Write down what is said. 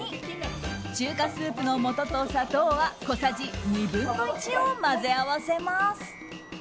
中華スープの素と砂糖は小さじ２分の１を混ぜ合わせます。